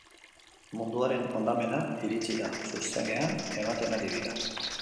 Munduaren hondamena iritsi da, zuzenean ematen ari dira.